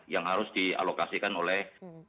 yang harus dialokasikan oleh